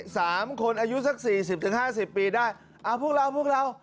สามคนอายุสักสี่สิบถึงห้าสิบปีได้อ่าพวกเราพวกเรา